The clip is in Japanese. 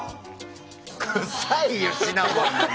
くっさいよ、シナモンが。